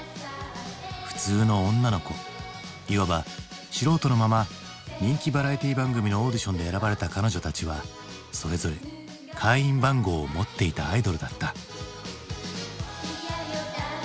普通の女の子いわば素人のまま人気バラエティー番組のオーディションで選ばれた彼女たちはそれぞれ会員番号を持っていたアイドルだった。